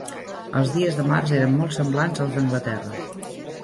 Els dies de març eren molt semblants als d'Anglaterra